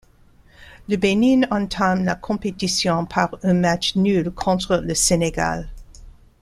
Le Bénin entame la compétition par un match nul contre le Sénégal.